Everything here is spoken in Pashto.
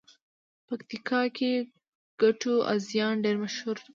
پکیتیکا کې ګټوازیان ډېر مشهور قوم دی.